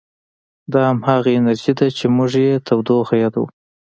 دا همغه انرژي ده چې موږ یې تودوخه یادوو.